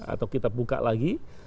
atau kita buka lagi